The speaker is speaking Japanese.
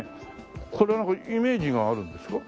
これはなんかイメージがあるんですか？